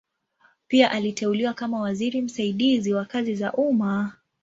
Pia aliteuliwa kama waziri msaidizi wa kazi za umma.